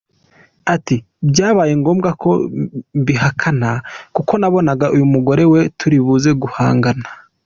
Ati: “Byabaye ngombwa ko mbihakana kuko nabonaga uyu mugore we turi buze guhangana”.